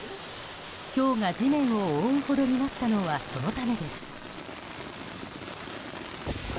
ひょうが地面を覆うほどになったのはそのためです。